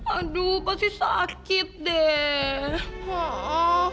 aduh pasti sakit deh